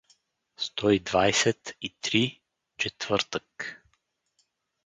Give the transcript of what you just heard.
— Сто и двайсет и три… Четвъртък.